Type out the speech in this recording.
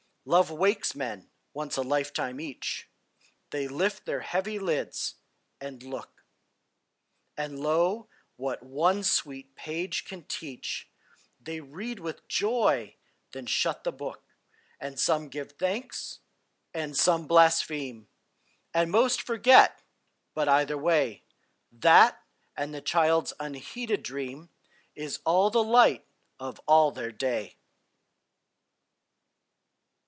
Love wakes men, once a lifetime each; They lift their heavy lids, and look; And, lo, what one sweet page can teach, They read with joy, then shut the book. And give some thanks, and some blaspheme, And most forget, but, either way, That and the child's unheeded dream Is all the light of all their day.